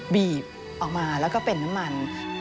บีบออกมาแล้วก็เป็นน้ำมัน